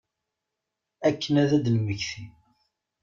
Akken ad d-nemmekti.